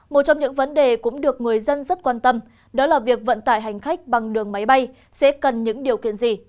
một trong những vấn đề cũng được người dân rất quan tâm đó là việc vận tải hành khách bằng đường máy bay sẽ cần những điều kiện gì